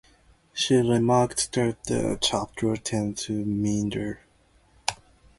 She remarked that the chapters "tend to meander".